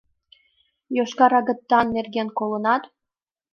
— Йошкар агытан нерген колынат?